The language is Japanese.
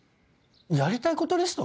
やりたいことリスト？